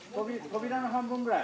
扉の半分ぐらい？